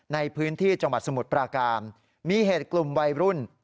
ในพื้นที่จังหวัดสมุทรปราการมีเหตุกลุ่มวัยรุ่น